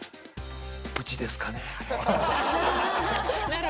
「うちですかね？あれ」。